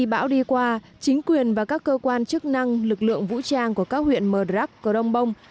trong bão đi qua chính quyền và các cơ quan chức năng lực lượng vũ trang của các huyện mờ đrắc crong bông